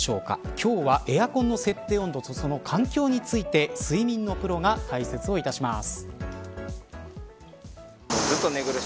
今日はエアコンの設定温度とその環境について睡眠のプロが解説をいたします。